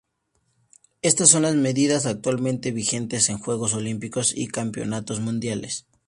Estas son las medidas actualmente vigentes en Juegos Olímpicos y Campeonatos Mundiales.